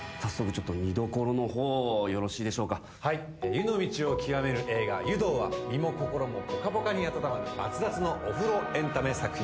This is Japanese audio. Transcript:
「湯」の道を極める映画『湯道』は身も心もポカポカに温まる熱々のお風呂エンタメ作品です。